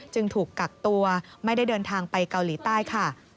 จึงถูกกักตัวไม่ได้เดินทางไปเกาหลีใต้ค่ะ